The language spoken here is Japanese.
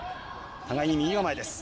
互いに右構えです。